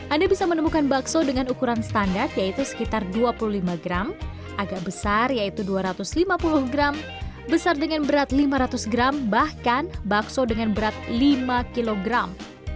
anda bisa menemukan bakso dengan ukuran standar yaitu sekitar dua puluh lima gram agak besar yaitu dua ratus lima puluh gram besar dengan berat lima ratus gram bahkan bakso dengan berat lima kilogram